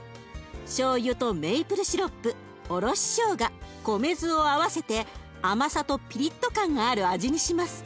しょうゆとメイプルシロップおろししょうが米酢を合わせて甘さとピリッと感がある味にします。